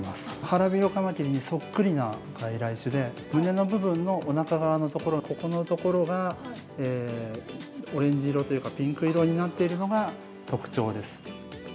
ハラビロカマキリにそっくりな外来種で、胸の部分のおなか側のところ、ここのところがオレンジ色というか、ピンク色になっているのが特徴です。